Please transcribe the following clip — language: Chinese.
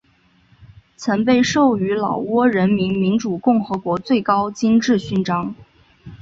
曾被授予老挝人民民主共和国最高金质勋章。